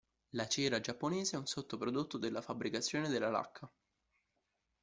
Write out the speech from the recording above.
La cera giapponese è un sottoprodotto della fabbricazione della lacca.